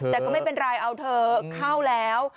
แต่ก็ไม่เป็นไรเอาเธอเข้าแล้ว